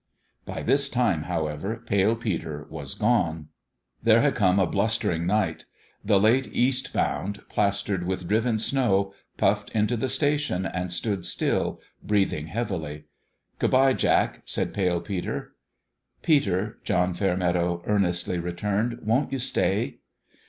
By this time, however, Pale Peter was gone. There had come a blustering night. The late east bound, plastered with driven snow, puffed into the station, and stood still, breathing heavily. " Good bye, Jack 1 " said Pale Peter. " Peter," John Fairmeadow earnestly returned, " won't you stay?"